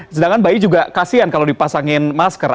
sedangkan bayi juga kasian kalau dipasangin masker